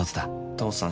父さん